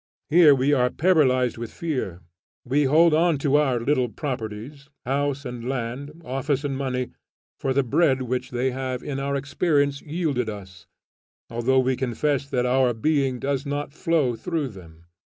Here we are paralyzed with fear; we hold on to our little properties, house and land, office and money, for the bread which they have in our experience yielded us, although we confess that our being does not flow through them.